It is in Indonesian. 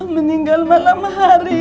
meninggal malam hari